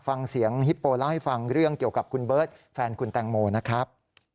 ฟังเสียงฮิปโปเล่าให้ฟังเรื่องเกี่ยวกับคุณเบิร์ตแฟนคุณแตงโมนะครับ